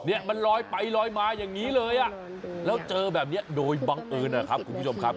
เนี่ยมันลอยไปลอยมาอย่างนี้เลยอ่ะแล้วเจอแบบนี้โดยบังเอิญนะครับคุณผู้ชมครับ